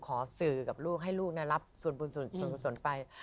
ขอสื่อกับลูกให้ลูกรับส่วนบุญส่วนกุศลไป